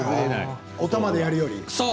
おたまでやるより。